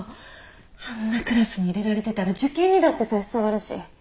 あんなクラスに入れられてたら受験にだって差し障るし。